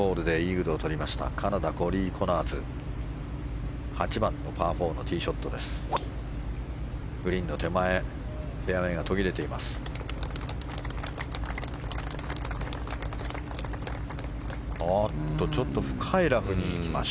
グリーンの手前フェアウェーが途切れています。